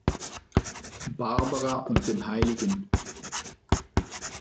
Barbara und dem hl.